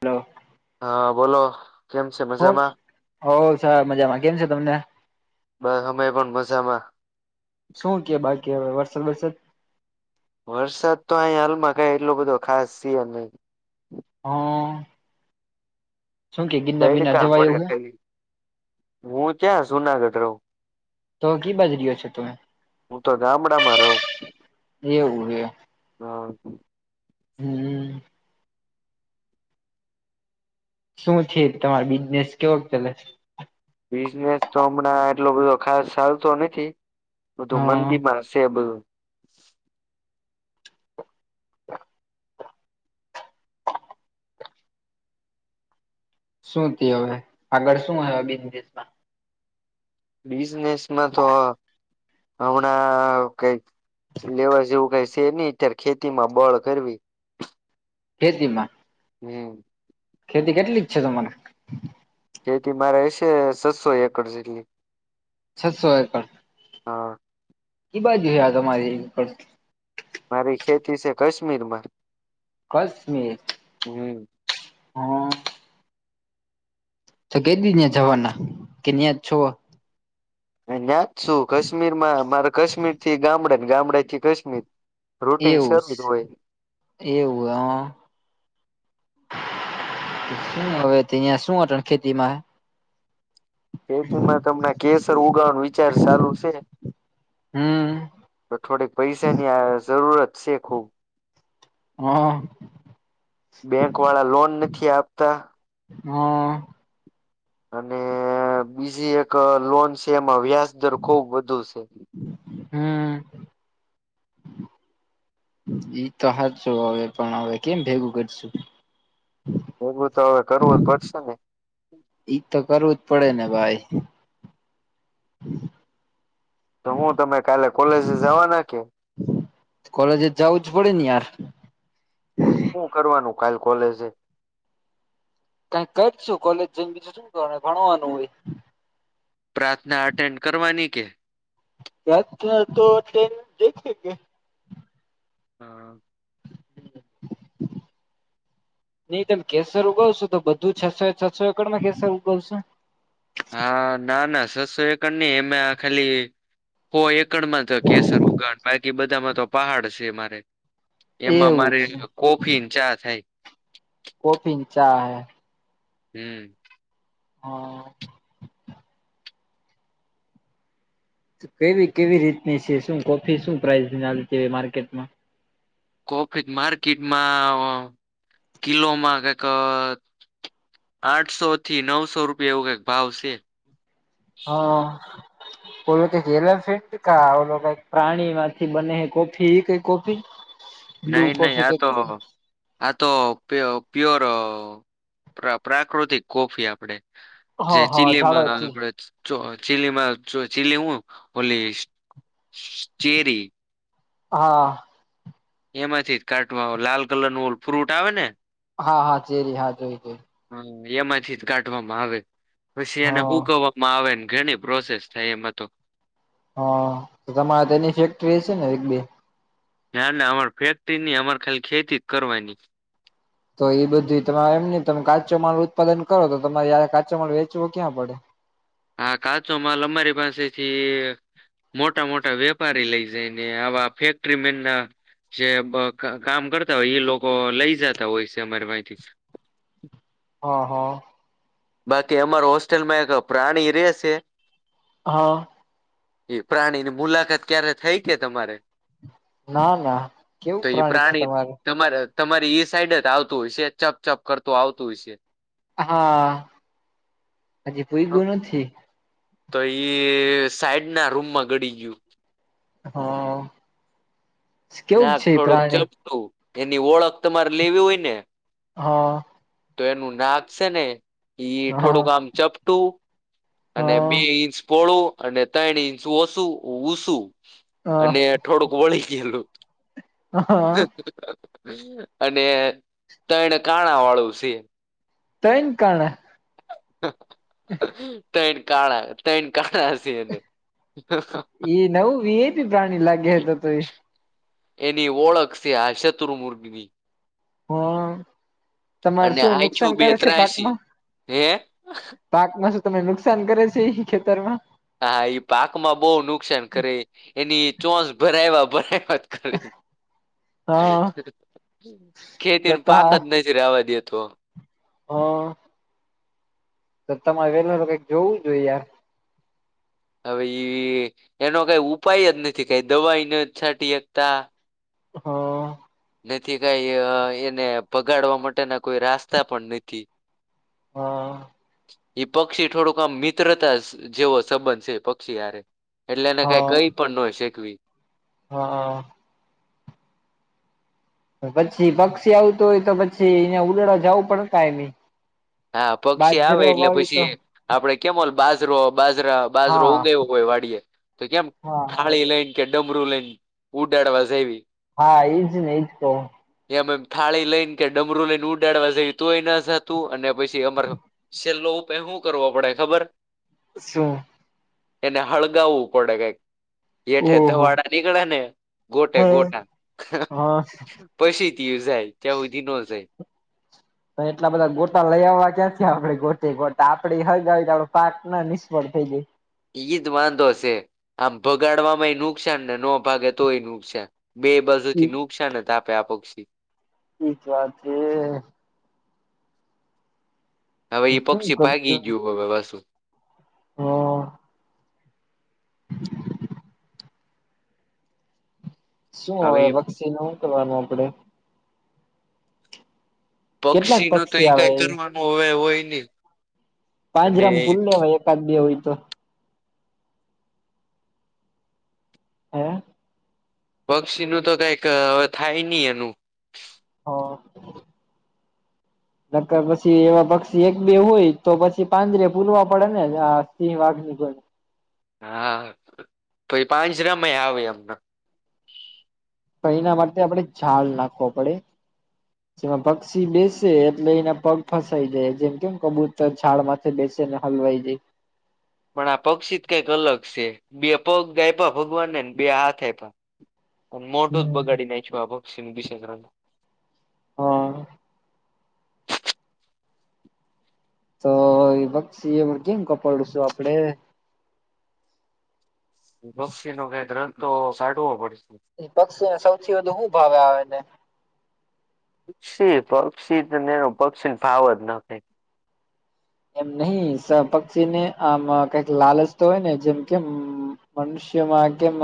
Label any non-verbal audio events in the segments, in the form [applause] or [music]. Hello. હા બોલો, કેમ છે મજામાં? હો, સાબ મજામાં, કેમ છે તમને? બસ અમે પણ મજામાં. શું કે બાકી હવે વરસાદ બરસદ વરસાદ તો અહી હાલમાં કઈ એટલો બધો ખાસ થીયો નહી હો, શું કે ગિરનાર બિરનાર તડકા જવાય પડે એવું હે? ખાલી હું ક્યાં સુુનાગઢ રવુ? તો કી બાજુ રયો છો તમે? હું તો ગામડામાં એવું એ. હા. હમ્મ. શું છે? તમારો બિઝનેસ કેવો ચાલે? બિઝનેસ તો હમણાં એટલો બધો ખાસ સાલતો નથી. બધું હા મંદી માં શે બધું. [inaudible] શું ત્યુ હવે? આગળ શું હ બિજનેશમાં બિઝનેસમાં તો, હમણાં કઈ, લેવા જેવું કઈ સે ની અત્યારે ખેતી માં બળ કરવી. ખેતીમાં.. હમ્મ ખેતી કેટલી ક છે તમારે? ખેતી મારે હશે સસો એકર જેટલી. છસો એકડ, હા કી બાજુ હે તમારી ખત મારી ખેતી છે કાશ્મીર માં કશમીર, હમ હો તો કે દી ત્યાં જવાના? કે ન્યા જ છો? ન્યાત શું કાશ્મીરમાં મારે કાશ્મીર થી ગામડે ને ગામડે થી કશ્મીર એવુંસ, એવું હ. શું હવે તે અહિયાં, શું અટન ખેતી માં? ખેતીમાં અમના કેસર ઉગાવાનું વિચાર સાલુ છે. હમ્મ તો થોડીક પૈસાની આ જરૂરત છે ખૂબ. હ બેંક વાળા લોન નથી આપતા. હ અને બીજી એક લોન છે એમાં વ્યાજ દર ખુબ વધુ છે. હમ્મ ઈ તો હાચુ હવે પણ હવે કેમ ભેગું કરશું ભેગું તો હવે કરવું જ પડશે ને ઈજ તો કરવું જ પડે ને ભાઈ તો હું તમે કાલે કોલેજે જવાના કે કોલેજે જવું જ પડેને યાર હું કરવાનું કાલ કોલેજે કઈક કરશું કોલેજ જઈને બીજું શું કરવાનું ભણવાનું હોય પ્રાર્થના અટેન્ડ કરવાની કે [unintelligible] નહી તમે કેસર ઉગવશો તો બધું છસો છસો એકડમાં કેસર ઉગવશો હા ના ના છસો એકડ ની એમા ખાલી હો એકડમાં તો કેસર ઉગાડ બાકી બધામાં તો પહાડ છે મારે. એમાં એવું મારે છે કોફી ને ચા થાય કોફી ની ચા હૈ હમ્મ હા કેવી કેવી રીતની છે શું કોફી શું પ્રાાઈઝ [unintelligible] માર્કેટમાં કોફી માર્કેટમાં કિલોમાં કઈક આઠસો થી નવસો રૂપિયા એવું કઈક ભાવ સે હા ઓલો કઈક એલફેન્ટ કા ઓલો કઈક પ્રાણી માંથી બને હે કોફી એવી કઈ કોફી બ્લુ નહીં નહી કોફી આ કઈક તો આ તો પ્યોર પ્રાકૃતિક કોફી આપડે હ જે હ ચીલે માં ઝાડોથી આપડે જ ચો ચીલીમાં ચીલી હું ઓલી ચેરી હા એમાંથી જ કાઢવા લાલ કલર નું ઓલુ ફ્રૂટ આવે ને હા હા ચેરી હા જોય જોય હ એમાંથી જ કાઢવામાં આવે પછી એને હા હૂકવવા માં આવે ને ઘણી પ્રોસેસ થાય એમાંતો હા તમારે તેની ફેક્ટરી હશે ને એક બે ના ના અમાર ફેક્ટરીની અમારે ખાલી ખેતી જ કરવાની. તો એ બધી તમે એમની તમે કાચો માલ ઉત્પાદન કરો તો તમારે યારે કાચો માલ વેચવો ક્યાં પડે હા કાચો માલ અમારે પાસેથી મોટા મોટા વેપારી લઈ જાય ને આવા ફેક્ટરી મેન જે કામ કરતા હોય એ લોકો લઈ જતા હોય છે અમારી પાહેથી હા હા બાકી અમાર હોસ્ટેલમાં એક પ્રાણી રેશે હા એ પ્રાણીની મુલાકાત ક્યારે થઈ કે તમારે? ના ના, કેવું પ્રાણી છે તમારે? તમારી ઈ સાઈડ જ આવતું હોય, સહેજ ચપ ચપ કરતું આવતું હશે. અ હા. હજી પોઇગુ નથી. તો ઇ સાઈડ ના રૂમમાં ગડી ગયું. હા. કેવું નાક છે એ થોડુંક પ્રાણી ચપટું એની ઓળખ તમાર લેવી હોય ને હા તો એનું નાક છે ને ઈ હા થોડુંક આમ ચપટું અને હા બે ઈંચ પોળું અને ત્રણ ઇંચ ઓસું ઉસું. હા અને થોડુંક વળી ગયેલું. હા અને ત્રણ કાણા વાળું છે. ત્રણ કાણા? ત્રણ કાણાં, ત્રણ કાણાં સે એને. [unintelligible] ઇ નવું વી આઈ પી પ્રાણી લાગે હે તો તો ઇ. એની ઓળખ છે આ શત્રુ મુર્ઘવી હા તમારે અને શું આછું નુકસાન બે કરે છે ત્રાસી પાકમાં? હે પાકમાં શું તમને નુકસાન કરે છે ઇ ખેતરમાં? હા ઇ પાક માં બહુ નુકસાન કરે એની ચોચ ભરાયવા ભરાયવા. કરે, હા ખેતી તો ન ત પાક જ નથ રહેવા દેતો. હા. તો તમાર ઘરનું તો કઈક જોવું જોઈ યાર. હવે ઈ એનો કાઈ ઉપાય જ નથી, કાંઈ દવા ય નથ છાંટી હકતા. અ હ. નથી કઈ અ એને ભગાડવા માટેના કોઈ રાસ્તા પણ નથી. હા ઇ પક્ષી થોડુંક આમ મિત્રતા સ જેવો સંબંધ છે ઇ પક્ષી હારે. એટલે એને હા કાંઈ કહી પણ નો શકવી. હા. પણ પછી પક્ષી આવતું હોય તો પછી યાં ઉડાડવા જાવું પડે ને કાયમી. હા પક્ષી આવે બાજરો એટલે વાવી તો પછી આપડે કેમ ઓલ બાજરો બાજરા બાજરો હા ઉગાયવો હોય વાડીએ, તો કેમ હા થાળી લઈન કે ડમરુ લઈન ઉડાડવા જઇવી. હા ઇ જ ને, ઇ જ કહું હું. જેમે મ થાળી લઈન કે ડમરું લઈન ઉડાડવા જઈ તોય ના જાતુ અને પછી અમારે છેલ્લો ઉપાય હું કરવો પડે ખબર? શું? એને હળગાવવું પડે કઈક. હેઠે ઓહો ધવાડા નીકળ્યા ને ગોટે હા ગોટા. હા પછી થી ઇ જાય, ત્યાં હુધી નો જાય. હવે એટલા બધા ગોટા લઈ આવવા ક્યાંથી આપણે, ગોટે ગોટા આપણે ઇ હળગાવી તો આપણે પાકમાં નિષ્ફળ થઈ જઈ. ઈ જ વાંધો છે. આમ ભગાડવામાં એ નુકસાન ને નો ભાગે તોય નુકસાન બે બા જુ થી નુકસાન જ આપે આ પક્ષી એજ વાત છે હવે ઈ શું પક્ષી ભાગી ગયું હવે પાસું હમ્મ શું હવે પક્ષીને હું કરવાનું આપડે કેટલાક પક્ષી નું તો આવે એકઈ કરવાનું હવે હોય ની પાંજરામ પૂર લેવાય એકાદ બે હોય તો હે પક્ષીનું તો કંઈક થાય ની એનું હ નકર પછી એવા પક્ષી એક બે હોય તો પછી પાંજરે પૂરવા પડે ને આ સિંહ વાઘ [unintelligible] હા [unintelligible] પાંજરામાં આવે એમન પણ એના માટે આપણે ઝડ નાખવો પડે જેમાં પક્ષી બેસે એટલે એના પગ ફસાઈ જાય જેમ કેમ કબૂતર ઝાડમાંથે બેસે ને હલવાઈ જાય. પણ આ પક્ષી જ કંઈક અલગ છે બે પગ આયપા ભગવાનને ને બે હાથ આયપા પણ મોટો જ હમ બગાડી [unintelligible] હા તો એ પક્ષી કેમ કપાડું શું આપડે પક્ષી નો કઈક રસ્તો તો સાઢવો પડશે. પક્ષીને સૌથી વધુ હું ભાવે આવેને પક્ષી પક્ષી તો એનું પક્ષી ને ભાવ જ ન કાય એમ નહિ પક્ષીને આમ કઈક લાલચ તો હોય ને જેમ કેમ મનુષ્યમાં કેમ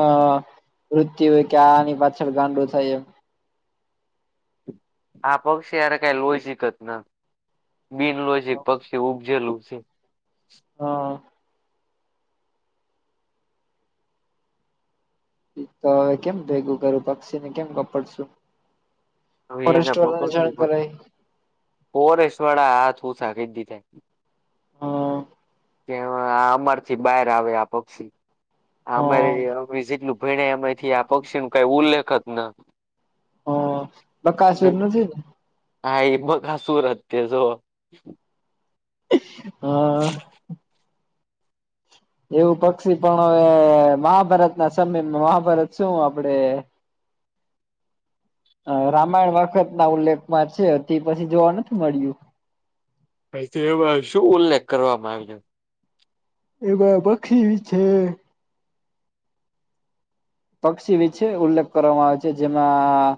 મૃત્યુ હોય કે આની પાછળ ગાંડો થાય એમ આ પક્ષી હારે કઈ લોજિક જ ના બિનલોજીક પક્ષી ઉપજેલું છે. હા તો હવે કેમ ભેગું કરું પક્ષીને કેમ કપડશું હવે એને ફોરેસ્ટ વાલાને પકડવું જાણ પડે કરાય ફોરેસ્ટ વાડા હાથ ઊંચા કરી દીધાય હા કે આ અમાર થી બહાર આવે આ પક્ષી હ અમારે હ જેટલું ભણ્યા પછી આ પક્ષીનું કઈ ઉલ્લેખ જ ન. હ બકાસુર નથી ન હા એ બકાસુુર જ તે જો હા એવું પક્ષી પણ હવે મહાભારત ના સમયમાં મહાભારત શું આપડે રામાયણ વખત ના ઉલ્લેખમાં છે તે પછી જોવા નથી મળ્યું. તેમાં શું ઉલ્લેખ કરવામાં આવીયા એમાં પક્ષી છે પક્ષી વિછે ઉલ્લેખ કરવામાં આવે છે જેમાં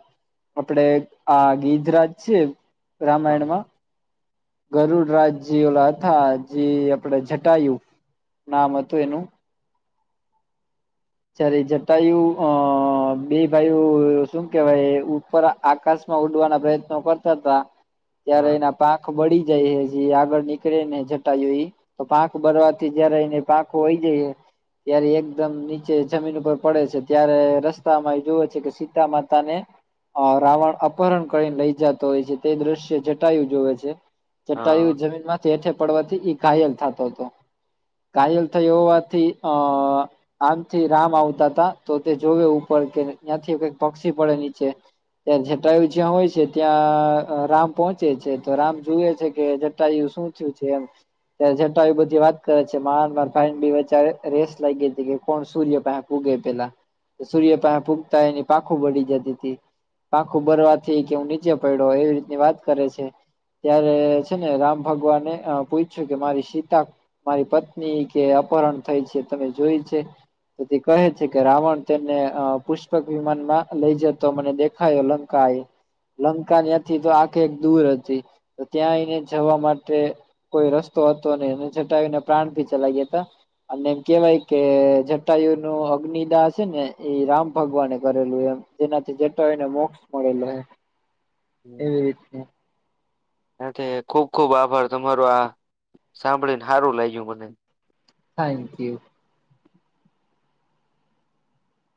આપડે આ ગીધરાજ છે રામાયણમાં ગરુડરાજી ઓલા હતા જે આપડે જટાયું નામ હતું એનું ત્યારે યાજટાયું અ બે ભાયુ શું કેવાય ઉપર આકાશમાં ઉડવાના પ્રયત્નો કરતા હતા ત્યારે હા એના પાંખ આ બળી જાય હ જે આગળ નીકળે ને જટાયુ ઇ તો પાંખ બરવાથી જયારે એને પાંખો વય જાય ત્યારે એકદમ નિ ચે જમીન ઉપર પડે છે ત્યારે રસ્તા માં જોવે છે કે સીતા માતા ને, અ રાવણ અપહરણ કરીને લઈ જતો હોય છે તે દ્રશ્ય જટાયું જોવે છે. જટાયુ હા જમીનમાં હેઠે પડવાથી ઈ ઘાયલ થતો હતો, ઘાયલ થયો હોવાથી આ આમથી રામ આવતા હતા તો તે જોવે ઉપર કે ત્યાંથી કઈક પક્ષી પડે નીચે તં જટાયુ જ્યાં હોય છે ત્યાં રામ પોહોંચે છે તો રામ જુવે છે કે જટાયુ શું થયું છે એમ, ત્યારે જ ટાઈમ બધી વાત કરે છે કે મા મારા ભાઈ ની બે વચ્ચે આ રેસ લાગી હતી કોણ સૂર્ય પાહેય પુગે પેલા, સૂર્ય પાહે પુગતા એની પાંખો બળી જતી હતી પાંખું બરવાથી કે હું નીચે પડ્યો એવી રીતની વાત કરે છે. ત્યારે છે ને રામ ભગવાનને પૂછ્યું કે મારી સીતા મારી પત્ની કે અપહરણ થઈ છે તમે જોયી છે. તે તે કહે છે કે રાવણ તેમને પુષ્પક વિમાનમાં લઈ જતો મને દેખાયો લંકા એ લંકાની્યાથી તો આખે એક દૂર હતી તો ત્યાં આવીઈને જવા માટે કોઈ રસ્તો હતો ને એને જટાયુને પ્રાણ ભી ચલા ગયા હતા અને એમ કેવાય કે જટાયુનું અગ્નિદાહ છે ને એ રામ ભગવાને કરેલું એમ જેનાથી જટાયુને મોક્ષ મળેલા. હ તે, ખુબ ખુબ આભાર તમારો આ સાંભળી ને સારું લાગ્યું મને થેન્ક યુ.